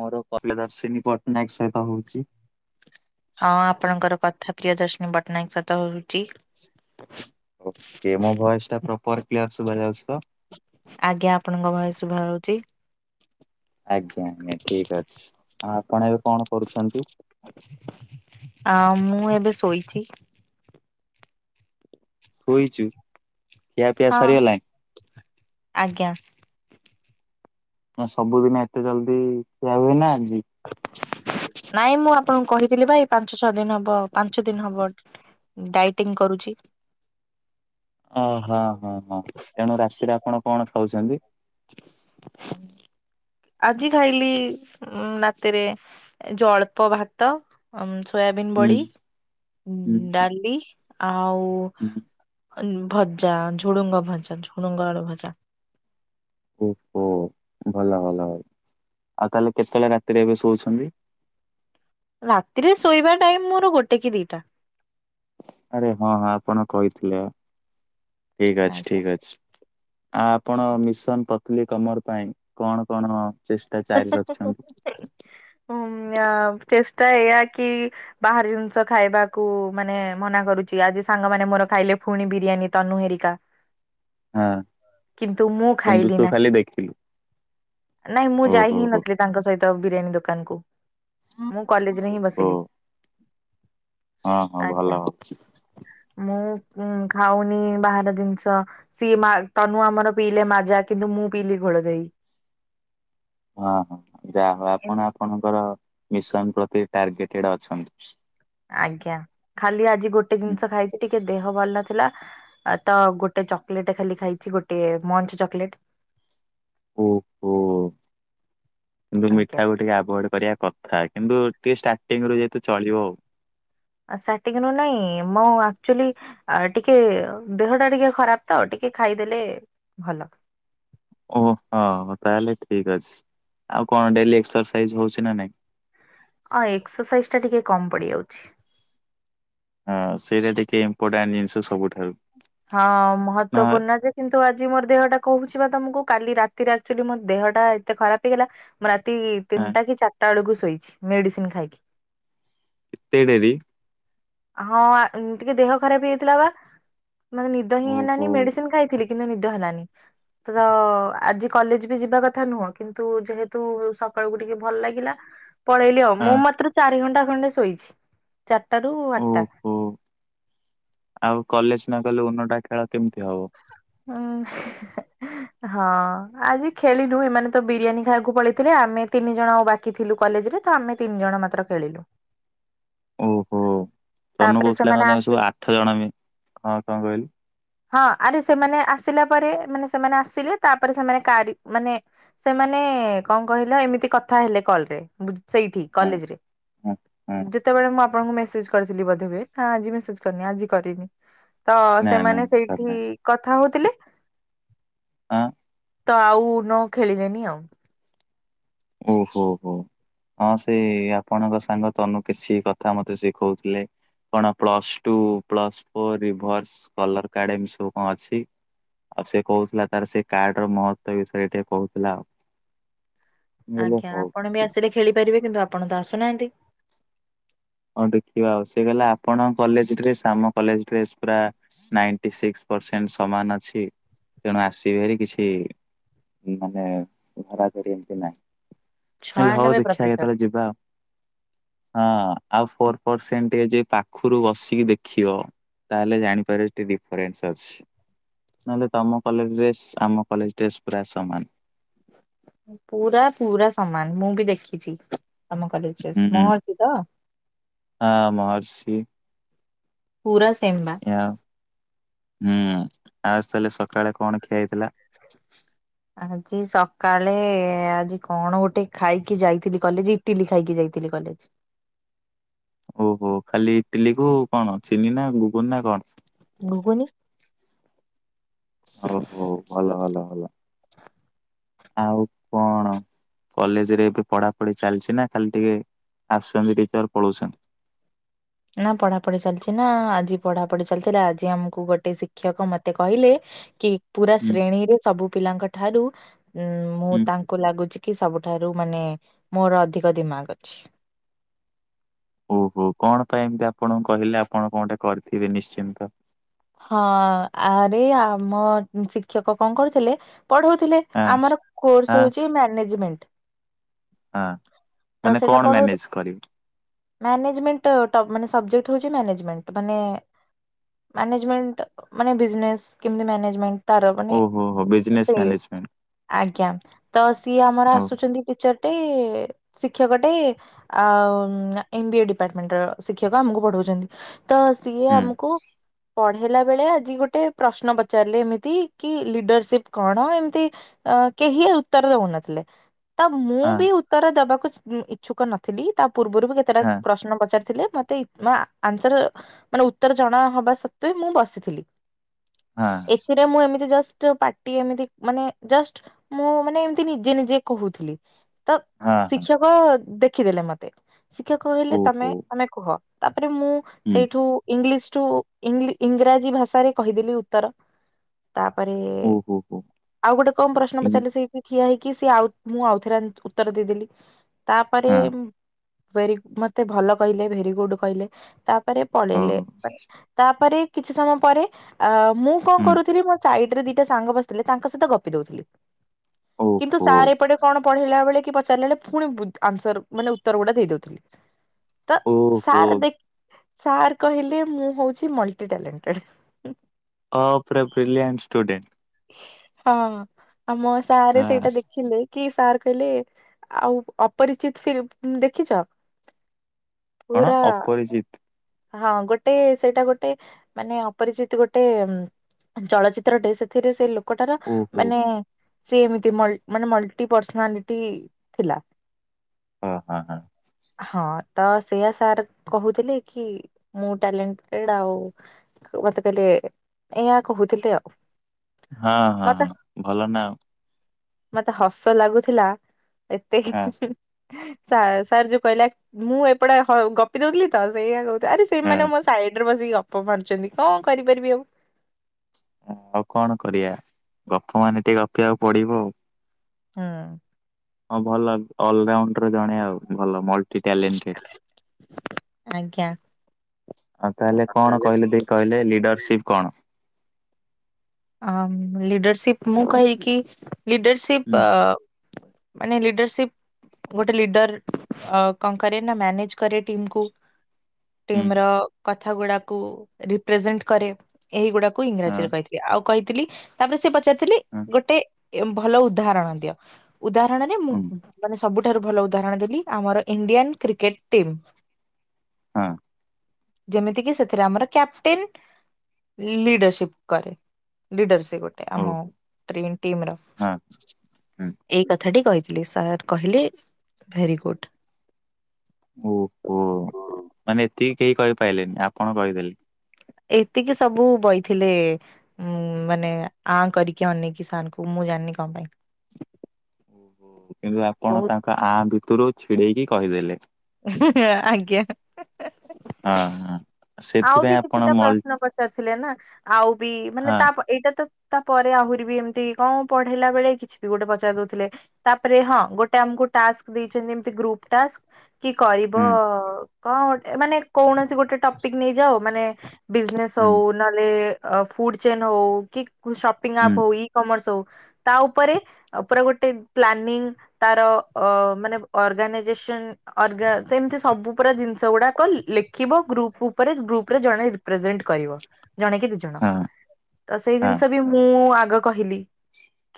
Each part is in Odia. ମୋର [unintelligible] ପଟ୍ଟନାୟକ ସହିତ ହୋଉଚି। ହଁ ଆପଣଙ୍କର କଥା ପ୍ରିୟଦର୍ଶିନୀ ପଟ୍ଟନାୟକ ସହିତ ହୋଉଚି। ଏ ମୋ ଭଏସଟା ପ୍ରପର କ୍ଲିୟର ସୁଭାଯାଉଚି ତ। ଆଜ୍ଞା ଆପଣଙ୍କ ଭୟସ ଶୁଭାଯାଉଚି। ଆଜ୍ଞା ଆଜ୍ଞା ଠିକ ଅଛି ଆଉ ଆପଣ ଏବେ କଣ କରୁଛନ୍ତି? ଆଉ ମୁଁ ଏବେ ଶୋଇଚି। ଶୋଇଚୁ ଖିଆପିଆ ହଁ। ସରିଗଲାଣି। ଆଜ୍ଞା। ନା ସବୁଦିନ ଏତେ ଜଲଦି ଖିଆ ହୁଏ ନା ଆଜି? ନାଇଁ ମୁଁ ଆପଣଙ୍କୁ କହିଥିଲି ପା ଏଇ ପାଞ୍ଚ ଛଅ ଦିନ ହବ ପାଞ୍ଚ ଦିନ ହବ ଡାଇଟିଂ କରୁଛି। ଓହୋ ହଁ ହଁ ତେଣୁ ରାତିରେ ଆପଣ କଣ ଖାଉଚନ୍ତି? ହୁଁ ଆଜି ଖାଇଲି ଉଁ ରାତିରେ ଯୋଉ ଅଳ୍ପ ଭାତ। ଅମ୍ ସୋୟାବିନ୍ ହୁଁ ବଡି ଉଁ ହୁଁ ଡାଲି ଆଉ ହୁଁ ଉଁ ଭଜା ଝୁଡୁଙ୍ଗ ଭଜା ଝୁଡୁଙ୍ଗ ଆଳୁ ଭଜା। ଓହୋ ଭଲ ଭଲ ଭଲ୍ ଆଉ ତାହେଲେ କେତେଳେ ରାତିରେ ଏବେ ଶୋଉଛନ୍ତି? ରାତିରେ ଶୋଇବା ଟାଇମ ମୋର ଗୋଟେ କି ଦିଟା। ଆରେ ହଁ ହଁ ଆପଣ କହିଥିଲେ ଠିକ ଅଛି ଆଜ୍ଞା। ଠିକ ଅଛି। ଆ ଆପଣ ମିଶନ ପତଲି କମର ପାଇଁ କଣ କଣ ଚେଷ୍ଟା ଜାରି ରଖିଛନ୍ତି? ଉଁ ମଁୟା ଚେଷ୍ଟା ଏଇୟା କି? ବାହାର ଜିନିଷ ଖାଇବାକୁ ମାନେ ମନା କରୁଛି ଆଜି ସାଙ୍ଗମାନେ ମୋର ଖାଇଲେ ପୁଣି ବିରିୟାନୀ ତନୁ ହେରିକା। ହ ହଁ କିନ୍ତୁ ମୁଁ କିନ୍ତୁ ଖାଇଲି ତୁ ନାହିଁ? ଖାଲି ଦେଖିଲୁ। ନାଇଁ ମୁଁ ଯାଇ ଓହୋ ହିଁ ହୋ। ନଥିଲି ତାଙ୍କ ସହିତ ବିରିୟାନୀ ଦୋକାନ କୁ ମୁଁ କଲେଜ ରେ ହିଁ ଓହୋ ବସିଲି। ହଁ ହଁ ଆଜ୍ଞା ଭଲ ଭାବୁଛୁ। ମୁଁ ଉଁ ଖାଉନି ବାହାର ଜିନିଷ। ସିଏ ମା ତନୁ ଆମର ପିଇଲେ ମାରଜା କିନ୍ତୁ ମୁଁ ପିଇଲି ଘୋଳ ଦହି। ହଁ ହଁ ଯାହା ହଉ ଏମତି ଆପଣ ଆପଣଙ୍କର ମିଶନ ପ୍ରତି ଟାର୍ଗେଟେଡ ଅଛନ୍ତି। ଆଜ୍ଞା ଖାଲି ଆଜି ଗୋଟେ ହୁଁ। ଜିନିଷ ଖାଇଛି ଟିକେ ଦେହ ଭଲ ନଥିଲା। ଆ ତ ଗୋଟେ ଚକେଲେଟ ଖାଲି ଖାଇଛି ଗୋଟିଏ ମଞ୍ଚ ଚକେଲେଟ। ଓ ହୋ କିନ୍ତୁ ଆଜ୍ଞା ମିଠା କୁ ଟିକେ ଆଭୋୟଟେ କରିବା କଥା ଥା କିନ୍ତୁ ଟିକେ ଷ୍ଟାର୍ଟିଂ ରୁ ଯେହେତୁ ଚଳିବ ଆଉ। ଆଁ ଷ୍ଟାଟିଙ୍ଗି ନାଇଁ ମୁଁ ଆକ୍ଚୁଆଲି ଆ ଟିକେ ଦେହ ଟା ଟିକେ ଖରାପ ତ ଟିକେ ଖାଇଦେଲେ ଭଲ। ଓ ହୋ ହଁ ତାହେଲେ ଠିକ ଅଛି ଆଉ କଣ ଡେଲି ଏକ୍ସରସାଇଜ ହଉଛି ନାଁ ନାହିଁ। ହଁ ଏକ୍ସରସାଇଜି ଟା ଟିକେ କମ୍ ପଡିଯାଉଛି। ହଁ ସେଇଟା ଟିକେ ଇମ୍ପୋର୍ଟାଣ୍ଟ ଜିନିଷ ସବୁଠାରୁ। ହଁ ନା ମହତ୍ଵପୂର୍ଣ୍ଣ ଯେ କିନ୍ତୁ ଆଜି ମୋର ଦେହଟା କହୁଛି ବା ତମକୁ କାଲି ରାତିରେ ଆକ୍ଚୁଲି ମୋ ଦେହଟା ଏତେ ଖରାପ ହେଇଗଲା। ମୁଁ ରାତି ତିନିଟା କି ଚାରିଟା ବେଳକୁ ଶୋଇଛି ମେଡିସିନ ଖାଇକି। ଏତେ ଦେଇ ଦେଇଛି। ହଁ ଆଁ ଟିକେ ଦେହ ଖରାପ ହେଇଯାଇଥିଲା ବା ମୋତେ ନିଦ ହିଁ ଓହୋ। ହେଲାନି ମେଡିସିନ ଖାଇଥିଲି। କିନ୍ତୁ ନିଦ ହେଲାନି? ସେ ତ ଆଜି କଲେଜ ବି ଯିବା କଥା ନୁହଁ କିନ୍ତୁ ଯେହେତୁ ସକାଳକୁ ଟିକେ ଭଲ ଲାଗିଲା। ପଳେଇଲି ଆଉ ହଁ ମୁଁ ମାତ୍ର ଚାରି ଘଣ୍ଟା ଖଣ୍ଡେ ଶୋଇଛି ଚାରିଟା ରୁ ଓ ଆଠଟା। ହୋ ଆଉ କଲେଜ ନ ଗଲେ ଓନଟା ଖେଳ କେମିତି ହବ? ଉଁ ହେଁ ଏଁ। ହଁ ଆଜି ଖେଳିଲୁ ଏମାନେ ତ ବିରିୟାନୀ ଖାଇବାକୁ ପଳେଇଥିଲେ ଆମେ ତିନି ଜଣ ଆଉ ବାକି ସେଠିଁ ଥିଲୁ କଲେଜରେ ଆମେ ତିନି ଜଣ ମାତ୍ର ଖେଳିଲୁ। ଓ ହୋ ତନୁ ତାପରେ କହୁଥୁଲେ ସେମାନେ କଣ ତମେ ଆସି ସବୁ ଆଠ ଜଣ ମିଶ ହଁ କଣ କଣ କହିଲୁ? ହଁ ଆରେ ସେମାନେ ଆସିଲା ପରେ ମାନେ ସେମାନେ ଆସିଲେ ତାପରେ ସେମାନେ କାର ମାନେ ସେମାନେ କଣ କହିଲ ଏମିତି କଥା ହେଲେ କଲ୍ ରେ ସେଇଠିଁ କଲେଜରେ। ଆଚ୍ଛା। ଯେତେବେଳେ ମୁଁ ଆପଣଙ୍କୁ ମେସେଜ କରିଥିଲି ବୋଧେହୁଏ। ହଁ ଆଜି ମେସେଜ କରିନି ଆଜି କରିମି। ତ ନା ନା ସେମାନେ ନା, ସେଇଠିଁ କରିନାହାନ୍ତି। କଥା ହଉଥିଲେ। ହଁ। ତ ଆଉ ନୋ ଖେଳିଲେନି ଆଉ। ଓ ହୋ ହୋ। ହଁ ସେ ଆପଣଙ୍କ ସାଙ୍ଗ ତନୁ କିସି କଥା ମୋତେ ଶିଖଉଥିଲେ। କଣ plus two plus four reverse colour card ଏମିତି ସବୁ କଣ ଅଛି? ଆଉ ସେ କହୁଥିଲା ତାର ସେ କାର୍ଡ ର ମହତ୍ୱ ବିଷୟରେ ଟିକେ କହୁଥିଲା ଆଉ। ହେଲେ ଆଜ୍ଞା ହଉ ଆପଣ ବି ଆସିଲେ ଖେଳିପାରିବେ କିନ୍ତୁ ଆପଣ ତ ଆସୁନାହାନ୍ତି। ହଁ ଦେଖିବା ଆଉ। ସେ କହିଲା ଆପଣ କଲେଜ ଡ୍ରେସ ଆମ କଲେଜେ ଡ୍ରେସ ପୁରା ନାଇଟି ସିକ୍ସ ପରସେଣ୍ଟ ସମାନ ଅଛି ତେଣୁ ଆସିବେ ହେରିକି କିଛି। ମାନେ ଧରା ଧରି ଏମତି ନାଇଁ। ମୁଁ କହିଲି ହଉ ଛୟାନବେ ଦେଖିବା ପ୍ରତିଶତ କେତେବେଳେ ଯିବା ଆଉ। ହଁ। ଆଉ ଫୋର ପରସେଣ୍ଟ ଟିକେ ଯାଇ ପାଖରୁ ବସିକି ଦେଖିବ। ତାହେଲେ ଜାଣିପାରିବ ହେଠି ଡିଫରେନ୍ସ ଅଛି। ନହେଲେ ତମ କଲେଜ ଡ୍ରେସ୍ ଆମ କଲେଜ ଡ୍ରେସ୍ ପୁରା ସମାନ। ପୁରା ପୁରା ସମାନ ମୁଁ ବି ଦେଖିଛି ତମ କଲେଜ ହୁଁ ଡ୍ରେସ୍ ମହର୍ଷି ତ? ହଁ ମହର୍ଷି। ପୁରା ସେମ୍ନା। [unintelligible] ହୁଁ ଆଉ ତାହେଲେ ସକାଳେ କଣ ଖିଆ ହେଇଥିଲା? [inaudible] ଆଜି ସକାଳେ ଆଜି କଣ ଗୋଟେ ଖାଇକି ଯାଇଥିଲି କଲେଜ ଇଟିଲି ଖାଇକି ଯାଇଥିଲି କଲେଜ। ଓହୋ ଖାଲି ଇଟିଲି କୁ କଣ ଚିନି ନା ଗୁଗୁନି ନା କଣ? ଘୁଗୁନି। ହଉ ହଉ ଭଲ ଭଲ ଭଲ। ଆଉ କଣ? କଲେଜ ରେ ଏବେ ପଢାପଢି ଚାଲିଛି ନା ଖାଲି ଟିକେ ଆସୁଛନ୍ତି ଟିଚର ପଳଉଛନ୍ତି? ନା ପଢାପଢି ଚାଲିଛି ନା ଆଜି ପଢାପଢି ଚାଲିଥିଲା ଆଜି ଆମକୁ ଗୋଟେ ଶିକ୍ଷକ ମତେ କହିଲେ କି ପୁରା ହୁଁ ଶ୍ରେଣୀରେ ସବୁ ପିଲାଙ୍କ ଠାରୁ ଉଁ ମୁଁ ହୁଁ ତାଙ୍କୁ ଲାଗୁଛି କି ସବୁଠାରୁ ମାନେ ମୋର ଅଧିକ ଦିମାଗ ଅଛି। ଓହୋ କଣ ପାଇଁ ଏମିତି ଆପଣଙ୍କୁ କହିଲେ ଆପଣ କଣଗୋଟେ କରିଥିବେ ନିଶ୍ଚିନ୍ତ। ହଁ ଆରେ ଆମ ଶିକ୍ଷକ କଣ କରୁଥିଲେ ପଢଉଥିଲେ। ହଁ ଆମର ହଁ କୋର୍ସ ହଉଛି ମ୍ୟାନେଜମେଣ୍ଟ। ହଁ ତ ମାନେ ସେଇଟା କଣ ପଢଉ ମ୍ୟାନେଜ କରିବି ମ୍ୟାନେଜମେଣ୍ଟ ଟ ମାନେ ସବଜେକ୍ଟ ହେଉଛି ମ୍ୟାନେଜମେଣ୍ଟ ମାନେ ମ୍ୟାନେଜମେଣ୍ଟ ମାନେ ବିଜନେସ୍ କେମିତି ମ୍ୟାନେଜମେଣ୍ଟ ତାର ମାନେ ଓହୋ ହୋ ବିଜନେସ୍ ସେ ମ୍ୟାନେଜମେଣ୍ଟ ଆଜ୍ଞା ତ ସିଏ ଆମର ଓ ଆସୁଛନ୍ତି ଟିଚର। ଟେ ଶିକ୍ଷକଟେ ଆଉ ଏମ୍ ବି ଏ ଡିପାର୍ଟମେଣ୍ଟର ଶିକ୍ଷକ ଆମକୁ ପଢ଼ଉଛନ୍ତି। ତ ସିଏ ହୁଁ ଆମକୁ ପଢେଇଲା ବେଳେ ଆଜି ଗୋଟେ ପ୍ରଶ୍ନ ପଚାରିଲେ ଏମିତି କି ଲିଡରସିପ୍ କଣ? ଏମିତି ଅ କେହି ଉତ୍ତର ଦଉନଥିଲେ। ତ ମୁଁ ହଁ ବି ଉତ୍ତର ଦେବାକୁ ଚ ଇଚ୍ଛୁକ ନଥିଲି ତା ପୂର୍ବରୁ ବି କେ ତେଟା ହଁ ପ୍ରଶ୍ନ ପଚାରିଥିଲେ ମତେ ମାନେ ଆନ୍ସର ମାନେ ଉତ୍ତର ଜଣା ହବା ସତ୍ତ୍ୱେ ମୁଁ ବସିଥିଲି। ହଁ। ଏଥିରେ ମୁଁ ଏମିତି ଜଷ୍ଟ ପାଟି ଏମିତି ମାନେ ଜଷ୍ଟ୍ ମୁଁ ମାନେ ଏମିତି ନିଜେ ନିଜେ କହୁଥିଲି। ତ ହଁ ହଁ ଶିକ୍ଷକ ଦେଖିଦେଲେ ମତେ ଶିକ୍ଷକ କହିଲେ ତମେ ଓହୋ ତମେ କୁହ। ତାପରେ ମୁଁ ହୁଁ ସେଇଠୁ ଇଂଲିଶ ଟୁ ଇଂରାଜୀ ଭାଷାରେ କହିଦେଲି ଉତ୍ତର। ତାପରେ ଓହୋ ହୋ ଆଉ ଗୋଟେ କଣ ପ୍ରଶ୍ନ ଇନ୍ ପଚାରିଲେ ସେ ସେ ଠିଆ ହେଇକି ସିଏ ମୁଁ ଆଉଥରେ ଉତ୍ତର ଦେଇଦେଲି ତାପରେ ହଁ ମତେ ଭଲ କହିଲେ ଭେରି ଗୁଡ କହିଲେ ତା ପରେ ପଳେଇଲେ ଓହୋ ତାପରେ କିଛି ସମୟ ପରେ ଅ ମୁଁ କଣ ହୁଁ କରୁଥିଲି ମୋ ସାଇଡ ରେ ଦିଟା ସାଙ୍ଗ ବସିଥିଲେ ତାଙ୍କ ସହିତ ଗପି ଦଉଥିଲି। କିନ୍ତୁ ଓହୋ ସାର୍ ଏପଟେ କଣ ପଢେଇଲା ବେଳେ କି ପଚାରିଲାବେଳେ ପୁଣି ବୁ ଆନ୍ସର ମାନେ ଉତ୍ତର ଗୁଡା ଦେଇ ଦଉଥିଲି ତ ଓହୋ ସାର୍ ଦେଖ ସାର୍ କହିଲେ ମୁଁ ହଉଚି ମଲ୍ଟି ଟ୍ୟାଲେନଟେଡ। ଅ ପୁରା ବ୍ରିଲିଆଣ୍ଟ ଷ୍ଟୁଡେଣ୍ଟ। ହଁ ଆମ ସାରେ ହଁ ସେଇଟା ଦେଖିଲେ କି ସାର୍ କହିଲେ ଆଉ ଅପରିଚିତ ଫିଲ୍ମ୍ ଦେଖିଚ? କଣ ପୁରା ଅପରିଚିତ ହଁ ଗୋଟେ ସେଇଟା ଗୋଟେ ମାନେ ଅପରିଚିତ ଗୋଟେ ଚଳଚିତ୍ରଟେ ସେଥିରେ ସେ ଲୋକଟାର ଓହୋ ମାନେ ସେ ଏମିତି ମାନେ ମଲଟି ପର୍ସନାଲିଟି ଥିଲା। ଓ ହଁ ହଁ। ହ ତ ସେଇୟା ସାର୍ କହୁଥିଲେ କି ମୁଁ ଟାଲେଣ୍ଟେଡ ଆଉ ମତେ କହିଲେ ଏଇୟା କହୁଥିଲେ ଆଉ। ହଁ ହଁ ମତେ ହଁ ଭଲ ନା ଆଉ। ମତେ ହସ ଲାଗୁଥିଲା ଏତେ କି ଆଉ ସାର୍ ଯୋଉ କହିଲା ମୁଁ ଏପଟେ ଗପି ଦଉଥିଲି ତ ସେଇୟା କହୁଥିଲି ଆରେ ହଁ ସେଇମାନେ ମ ସାଇଡ ରେ ବସିକି ଗପ ମାରୁଚନ୍ତି କଣ କରିପାରିବି ଆଉ। ଆଉ କଣ କରିଆ ଗପ ମାନେ ଟିକେ ଗପିଆକୁ ପଡିବ ଆଉ। ହୁଁ। ହଁ ଭଲ ଅଲରାଉଣ୍ଡର ଜଣେ ଆଉ ଭଲ ମଲଟି ଟାଲେଣ୍ଟେଡ। ଆଜ୍ଞା। ଆଉ ତାହେଲେ କଣ କହିଲେ ଟିକେ କହିଲେ ଲିଡରସିପ୍ କଣ? ଲିଡରସିପ୍ ମୁଁ କହିକି ହୁଁ ଲିଡରସିପ୍ ଅ ମାନେ ଲିଡରସିପ୍ ଗୋଟେ ଲିଡର କଣ କରେ ନା ମ୍ୟାନେଜ୍ କରେ ଟିମ୍ କୁ। ହୁଁ ଟିମ୍ ର କଥା ଗୁଡାକୁ ରିପ୍ରେଜେଣ୍ଟ କରେ। ଏହି ଗୁଡାକୁ ହଁ ଇଂରାଜୀରେ କହି ଆଉ କହିଥିଲି ତାପରେ ସେ ପଚାରିଥିଲେ ହଁ। ଗୋଟେ ଭଲ ଉଦାହରଣ ଦିଅ ଉଦାହରଣରେ ମୁଁ ହୁଁ ମାନେ ସବୁଠାରୁ ଭଲ ଉଦାହରଣ ଦେଲି ଆମର ଇଣ୍ଡିଆନ କ୍ରିକେଟ ଟିମ୍। ହଁ। ଯେମିତିକିି ସେଥିରେ ଆମର କ୍ୟାପଟେନ୍ ଲିଡରସିପ୍ କରେ। ଲିଡର ସେ ଗୋଟେ ଓ ଆମ ଟ୍ରିମ ଟିମ୍ ର। ହଁ ହୁଁ ଏଇ କଥାଟି କହିଥିଲି ସାର୍ କହିଲେ ଭେରି ଗୁଡ। ଓହୋ, ମାନେ ଏତିକି କେହି କହିପାଇଲେନି ଆପଣ କହିଦେଲେ। ଏତିକି ସବୁ ବଇଥିଲେ ଉଁ, ମାନେ ଆଁ କରିକି ଅନେଇ କି ସାରଙ୍କୁ ମୁଁ ଜାଣିନି କଣ ପାଇଁ। ଓ, କିନ୍ତୁ ଆପଣ ବହୁତ ତାଙ୍କ ଆଁ ଭିତୁରୁ ଛିଡେଇକି କହିଦେଲେ? ଆଜ୍ଞା। ହଁ ହଁ। ଆଉ ବି ସେଥିପାଇଁ ଆପଣ କିଛିଟା ମଲ୍ ପ୍ରଶ୍ନ ପଚାରି ଥିଲେ ନା। ଆଉ ବି ମାନେ ହଁ ତା ଏଇଟା ତ ତାପରେ ଆହୁରି ବି ଏମିତି କଣ ପଢେଇଲା ବେଳେ କିଛି ବି ଗୋଟେ ପଚାରି ଦଉଥିଲେ। ତାପରେ ହଁ ଗୋଟେ ଆମକୁ ଟାସ୍କ ଦେଇଚନ୍ତି ଏମତି ଗ୍ରୁପ ଟାସ୍କ। କି କରିବ ହୁଁ କଣ ଗଟେ ମାନେ କୌଣସି ଗୋଟେ ଟପିକ୍ ନେଇଯାଉ ମାନେ ବିଜନେସ୍ ହୁଁ ହଉ, ନହେଲେ ଫୁଡ୍ ଚେନ୍ ହଉ, କି ଶପିଂ ହୁଁ ଆପ୍ ହଉ, ଇ କମର୍ସ ହଉ। ତା ଉପରେ। ପୁରା ଗୋଟେ ପ୍ଲାନିଂ ତାର ଅ ମାନେ ଅର୍ଗାନାଇଜେସନ। ଅର୍ଗା ସେମିତି ସବୁ ପୁରା ଜିନିଷ ଗୁଡାକ ଲେଖିବ ଗ୍ରୁପକୁ। ଜଣ ରେ ଜଣେ କି ଦ ଜଣ। ହଁ ହଁ ମୁଁ ଆଗ କହିଲି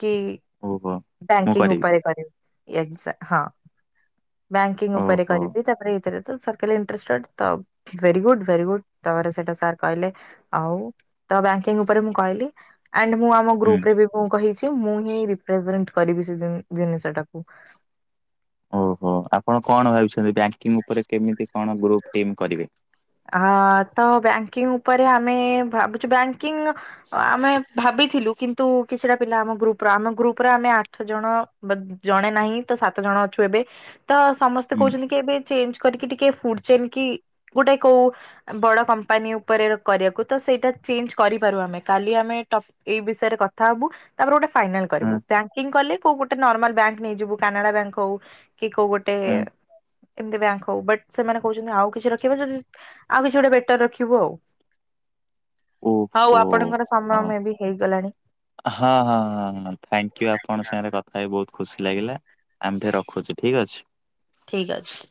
କି ଓହୋ। ବ୍ୟାଙ୍କିଙ୍ଗ ଉପରେ କରିବି। ଏା ହଁ ବ୍ୟାଙ୍କିଙ୍ଗ ଉପରେ ଓହୋ କରିବି ତାପରେ ଏଥିରେ ତ ସ। ଣ୍ଷ୍ଟ ତ ଭେ ଗୁଡ। ଭେରି ଗୁଡ ତାପ ସେଟା ସାର୍ କହିଲେ ଆଉ ତ ବଙ୍କିଙ୍ଗ ଉପରେ ମୁଁ କହିଲି। ଆ ମୁଁ ଆମ ହୁଁ ଗ୍ରୁପରେ ବି ମୁ କହିଛି ମୁଁ ହିଁ ରି୍ରେଜେଣ୍ କରିବି ସେ ଜିନିଷଟାକୁ। ଓହୋ ଆପଣ କଣ ଭାବିଛନ୍ତି ବ୍ୟାଙ୍କିଙ୍ଗ ଉପରେ କେମିତି କଣ ଗ୍ରୁପ ଟିମ୍ କରିବେ। ଅ ତ ବ୍ୟାଙ୍କିଙ୍ଗ ଉପରେ ଆମେ ଭାବୁଛୁ ବ୍ୟାଙ୍କିଙ୍ଗ। ଆମେ ଭାବିଥିଲୁ କିନ୍ତୁ କିଛିଟା ପିଲା, ଆମ ଗ୍ରୁପ ର ଆମ ଗ୍ରୁପରେ ଆମେ ଆଠ ଜଣ ଜଣେ ନାହିଁ ତ ସାତ ଜଣ ଅଛୁ ଏବେ। ତ ସମସ୍ତେ ହୁଁ କହୁଛନ୍ତି କି ଏବେ ଚେଞ୍ଜ କରିକି ଟିକେ ଫୁଡ ଚେନ୍ କି ଗୋଟେ କଉ ବଡ଼ କମ୍ପାନୀ ଉପରେ କରିବାକୁ ତ ସେଇଟା ଚେଞ୍ଜ କରିପାରୁ ଆମେ କାଲି ଆମେ ଏଇ ବିଷୟରେ କଥା ହବୁ। ତାପରେ ଗୋଟେ ଫାଇନାଲ ହଁ କରିବୁ ବଙ୍କିଙ୍ଗ କଲେ କୋଉ ଗୋଟେ ନର୍ମାଲ ବ୍ୟାଙ୍କ ନେଇଯିବୁ କାନାଡା ବ୍ୟାଙ୍କ ହଉ। କି କୋଉ ଗୋଟେ ହଁ ଏମିତି ବ୍ୟାଙ୍କ ହଉ ବଟ ସେମାନେ କହୁଛନ୍ତି ଆଉ କିଛି ରଖିବା ଯଦି ଆଉ କିଛି ଗୋଟେ ବେଟର ରଖିବୁ ଆଉ। ହଉ ଓହୋ। ଆପଣଙ୍କର ହଁ ସମୟମେ ବି ହେଇଗଲାଣି। ହଁ ହଁ ହଁଙ୍କୟ ଆପଣଙ୍କ ସାଙ୍ଗରେ କଥା ହେି ବହୁତ ଖୁସି ଲାଗିଲା। ଆମଠ ରଖୁଛି ଠିକ ଅଛି। ଠିକ୍ ଅଛି।